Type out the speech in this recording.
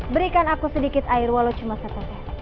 berikan aku sedikit air walau cuma satu teh